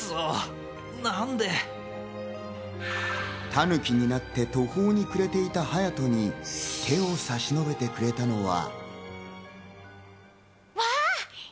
タヌキになって途方に暮れていたハヤトに手を差し伸べてくれたのは。